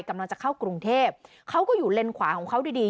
กำลังจะเข้ากรุงเทพเขาก็อยู่เลนขวาของเขาดีดี